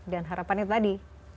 dan harapannya tadi